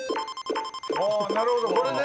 あぁなるほどこれでね。